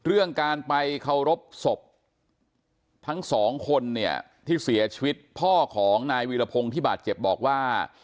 เรื่องการไปเคารพศพทั้งสองคนเนี่ยที่เสียชีวิตพ่อของนายวีรพงศ์ที่บาดเจ็บบอกว่า